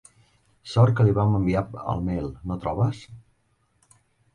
Sort que li vam enviar el mail, no trobes?